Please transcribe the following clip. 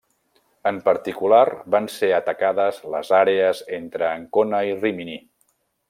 En particular van ser atacades les àrees entre Ancona i Rímini.